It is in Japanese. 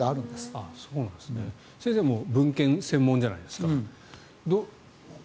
先生も文献専門じゃないですか。